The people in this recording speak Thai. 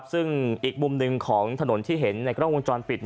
ซึ่งอีกมุมหนึ่งของถนนที่เห็นในกล้องวงจรปิด